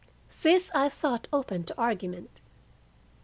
This I thought open to argument.